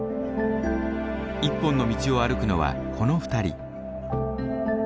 一本の道を歩くのはこの２人。